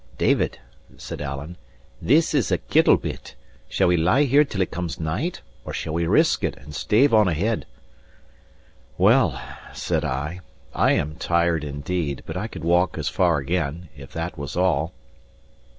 "David," said Alan, "this is the kittle bit. Shall we lie here till it comes night, or shall we risk it, and stave on ahead?" "Well," said I, "I am tired indeed, but I could walk as far again, if that was all."